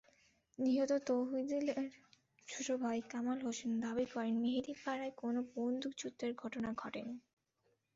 নিহত তৌহিদুলের ছোট ভাই কামাল হোসেন দাবি করেন, মেহেদীপাড়ায় কোনো বন্দুকযুদ্ধের ঘটনা ঘটেনি।